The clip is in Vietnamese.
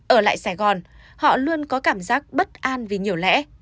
ở lại sài gòn họ luôn có cảm giác bất an vì nhiều lẽ